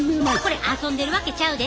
これ遊んでるわけちゃうで。